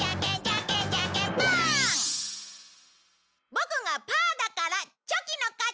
ボクがパーだからチョキの勝ち。